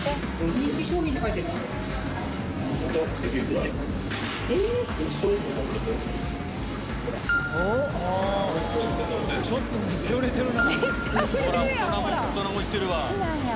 人気商品って書いてあるよ。